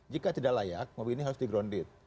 jika tidak layak mobil ini harus digrondit